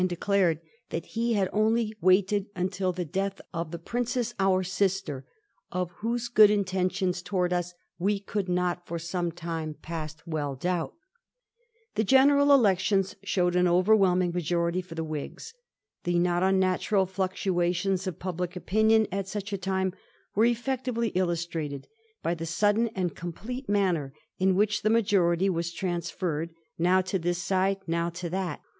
declared that he had only waited until the death ^ of the Princess, our sister, of whose good intentions towards us we could not for some time past well doubt.' The general elections showed an overwhelming majority for the Whigs. The not unnatural fluctua tions of public opinion at such a time are effectively illustrated by the sudden and complete manner in which the majority was transferred, now to this side, now to that.